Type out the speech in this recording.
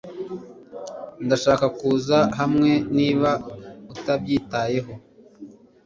Ndashaka kuza hamwe niba utabyitayeho